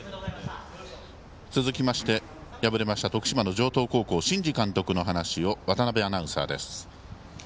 続きまして、敗れました徳島の城東高校新治監督の話を渡邊アナウンサーです。